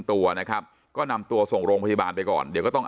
ตัวนะครับก็นำตัวส่งโรงพยาบาลไปก่อนเดี๋ยวก็ต้อง